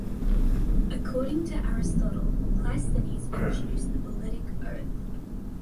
According to Aristotle, Cleisthenes introduced the Bouleutic Oath.